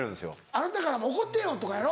「あなたからも怒ってよ」とかやろ。